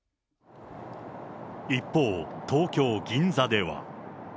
一方、東京・銀座では。